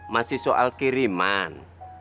masih soal kiriman